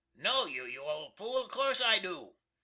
"Know you, you old fool? Of course I do."